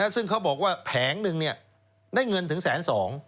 ซึ่งเขาบอกว่าแผงนึงเนี่ยได้เงินถึงแสน๒